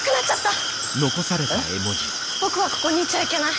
「僕はここにいちゃいけない。